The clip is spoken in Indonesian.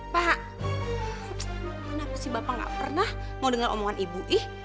pak kenapa si bapak gak pernah mau dengar omongan ibu